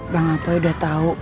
bang apoi udah tahu